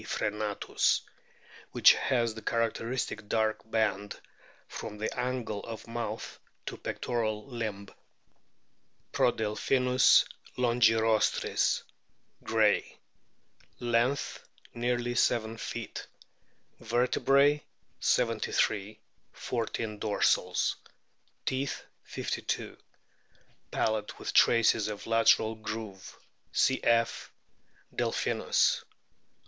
frccnatus, which has the characteristic dark band from the angle of mouth to pectoral limb. Prodelphinus longirostris, Gray/ x ' Length, nearly 7 feet. Vertebrae, 73 ; 14 dorsals. Teeth, 52. Palate with traces of lateral groove (cf. Delphinus).